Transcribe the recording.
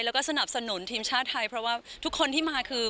แล้วก็สนับสนุนทีมชาติไทยเพราะว่าทุกคนที่มาคือ